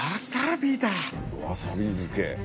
わさび漬。